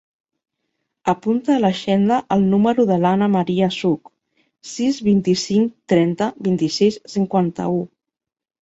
Apunta a l'agenda el número de l'Ana maria Such: sis, vint-i-cinc, trenta, vint-i-sis, cinquanta-u.